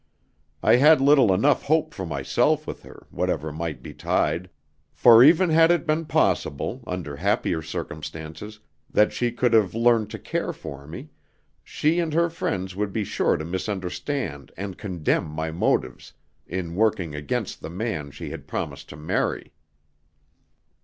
I had little enough hope for myself with her, whatever might betide, for even had it been possible, under happier circumstances, that she could have learned to care for me, she and her friends would be sure to misunderstand and condemn my motives in working against the man she had promised to marry.